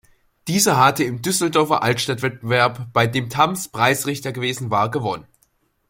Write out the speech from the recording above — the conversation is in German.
Dieser hatte im Düsseldorfer Altstadt-Wettbewerb, bei dem Tamms Preisrichter gewesen war, gewonnen.